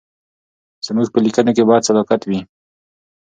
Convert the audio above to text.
زموږ په لیکنو کې باید صداقت وي.